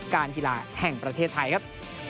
การกีฬาแห่งประเทศไทยครับ